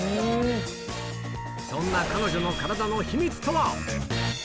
そんな彼女の体の秘密とは。